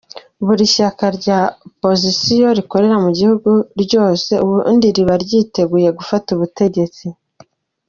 Buli shyaka rya oppozisiyo likorera mu gihugu ryose ubundi riba ryitegura gufata ubutegetsi.